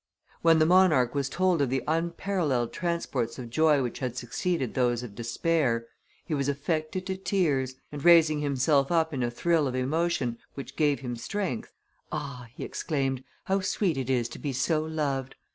When the monarch was told of the unparalleled transports of joy which had succeeded those of despair, he was affected to tears, and, raising himself up in a thrill of emotion which gave him strength, 'Ah!' he exclaimed, 'how sweet it is to be so loved!